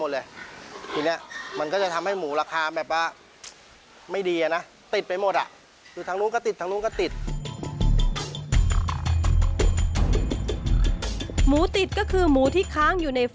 และให้หมูที่จะลองออกไปมันก็เริ่มใหญ่ขึ้น